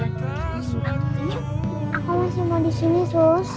aku masih mau di sini sus